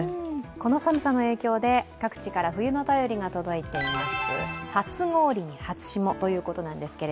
この寒さの影響で各地から冬の便りが届いています。